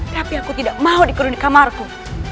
tapi aku tidak mau dikuduni kamarku